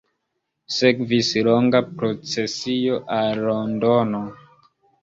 Sekvis longa procesio al Londono.